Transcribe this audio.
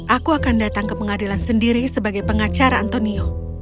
aku akan datang ke pengadilan sendiri sebagai pengacara antonio